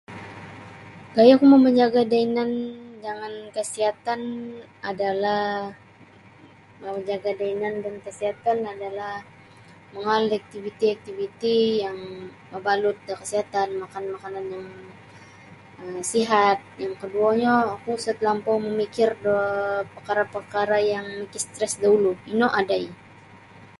Gaya'ku mamajaga' da inan jangan kasiatan adalah mamajaga' da inan jangan kasiatan adalah mangaal da iktiviti-iktiviti yang mabalut da kasiatan makan makanan yang um sihat yang koduonyo oku sa talampau mamikir da parkara'-parkara' yang mikistres da ulu ino adai.